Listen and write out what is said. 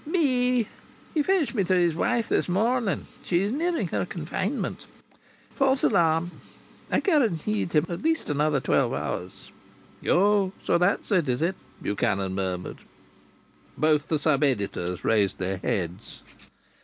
"Me! He fetched me to his wife this morning. She's nearing her confinement. False alarm. I guaranteed him at least another twelve hours." "Oh! So that's it, is it?" Buchanan murmured. Both the sub editors raised their heads.